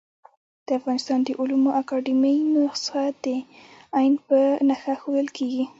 د افغانستان د علومو اکاډيمۍ نسخه د ع په نخښه ښوول کېږي.